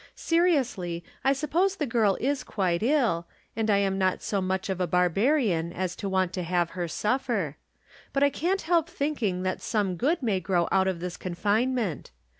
Seri ouslj', I suppose the girl is quite ill, and I am not so much of a barbarian as to want to have her suffer. But I can't help thinking that some good may grow out of this confinement.